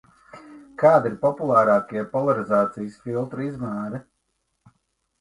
Kādi ir populārākie polarizācijas filtru izmēri?